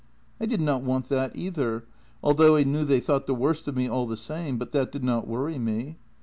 I did not want that either, although I knew they thought the worst of me all the same, but that did not worry me.